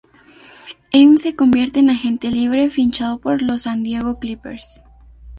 En se convierte en agente libre, fichando por los San Diego Clippers.